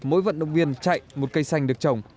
mỗi vận động viên chạy một cây xanh được trồng